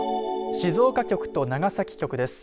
静岡局と長崎局です。